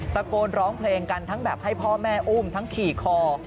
ตะโกนร้องเพลงกันทั้งแบบให้พ่อแม่อุ้มทั้งขี่คอ